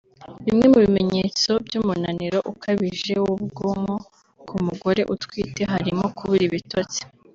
Bimwe mu bimenyetso by’umunaniro ukabije w’ubwonko ku mugore utwite harimo kubura ibitosti